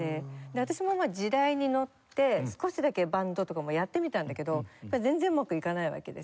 私もまあ時代にのって少しだけバンドとかもやってみたんだけど全然うまくいかないわけですよ。